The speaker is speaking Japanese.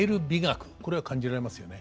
これは感じられますよね。